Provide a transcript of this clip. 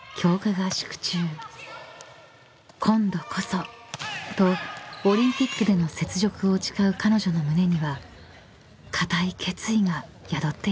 ［「今度こそ」とオリンピックでの雪辱を誓う彼女の胸には固い決意が宿っていました］